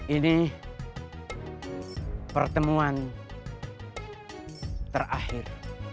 ini pertemuan terakhir